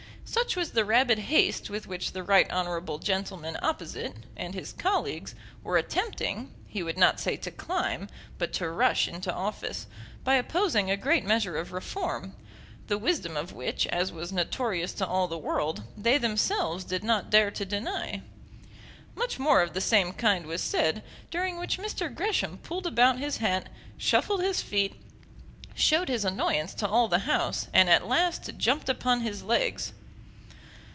Such was the rabid haste with which the right honourable gentleman opposite, and his colleagues, were attempting, he would not say to climb, but to rush into office, by opposing a great measure of Reform, the wisdom of which, as was notorious to all the world, they themselves did not dare to deny. Much more of the same kind was said, during which Mr. Gresham pulled about his hat, shuffled his feet, showed his annoyance to all the House, and at last jumped upon his legs.